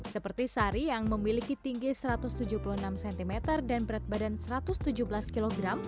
seperti sari yang memiliki tinggi satu ratus tujuh puluh enam cm dan berat badan satu ratus tujuh belas kg